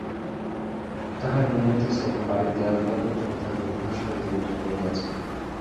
তাহার মনে হইতেছে, বাড়ির দেয়ালগুলা পর্যন্ত তাহাকে উপহাস করিতে উদ্যত রহিয়াছে।